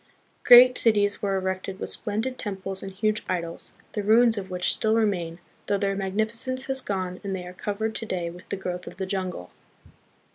Great cities were erected with splendid temples and huge idols, the ruins of which still remain, though their magnificence has gone and they are covered to day with the growth of the jungle.